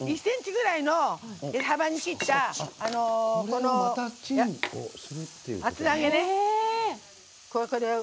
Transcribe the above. １ｃｍぐらいの幅に切った厚揚げね。